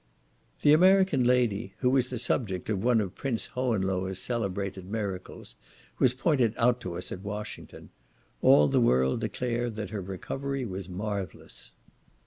The American lady, who was the subject of one of Prince Hohenlohe's celebrated miracles, was pointed out to us at Washington. All the world declare that her recovery was marvellous.